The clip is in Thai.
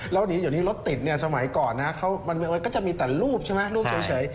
แล้วเดี๋ยวนี้รถติดเนี่ยสมัยก่อนนะก็จะมีแต่รูปใช่ไหมรูปเฉย